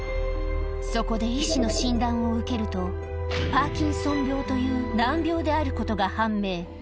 そこで医師の診断を受けると、パーキンソン病という難病であることが判明。